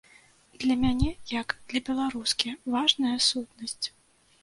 Для мяне, як для беларускі, важная сутнасць.